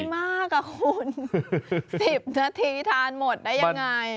มากอ่ะคุณ๑๐นาทีทานหมดได้ยังไง